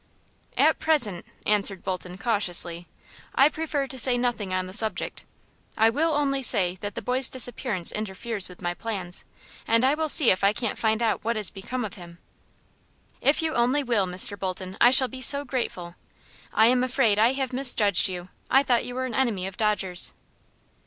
"At present," answered Bolton, cautiously, "I prefer to say nothing on the subject. I will only say the boy's disappearance interferes with my plans, and I will see if I can't find out what has become of him." "If you only will, Mr. Bolton, I shall be so grateful. I am afraid I have misjudged you. I thought you were an enemy of Dodger's."